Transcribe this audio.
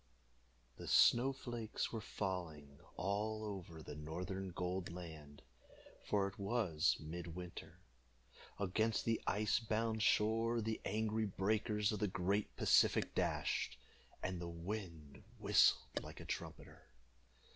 The snow flakes were falling all over the northern Gold Land, for it was mid winter. Against the ice bound shore the angry breakers of the great Pacific dashed, and the wind whistled like a trumpeter.